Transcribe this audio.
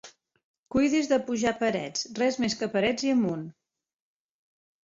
Cuidi-s de pujar parets, res més que parets, i amunt!